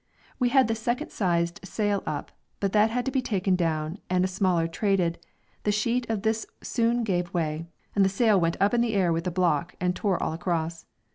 We had the second sized sail up, but that had to be taken down and a smaller tried; the sheet of this soon gave way, and the sail went up in the air with the block and tore all across.